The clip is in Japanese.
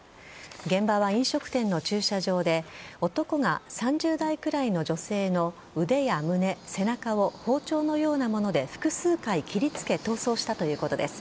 現場は飲食店の駐車場で男が３０代くらいの女性の腕や胸、背中を包丁のようなもので複数回切りつけ逃走したということです。